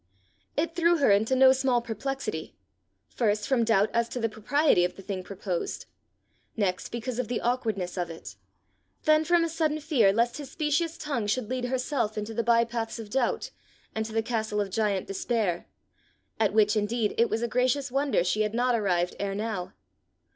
It threw her into no small perplexity first from doubt as to the propriety of the thing proposed, next because of the awkwardness of it, then from a sudden fear lest his specious tongue should lead herself into the bypaths of doubt, and to the castle of Giant Despair at which, indeed, it was a gracious wonder she had not arrived ere now.